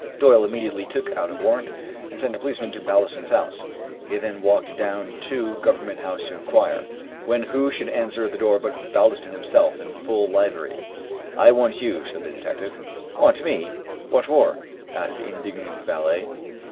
Doyle immediately took out a warrant and sent a policeman to Baldiston's house. He then walked down to Government House to inquire, when who should answer the door to him but Baldiston himself in full livery. "I want. you," said the detective. "Want me! what for?" asked the indignant valet.